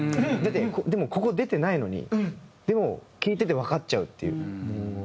でもここ出てないのにでも聴いててわかっちゃうっていう。